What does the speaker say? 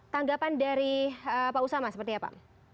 tanggapan dari pak usama seperti apa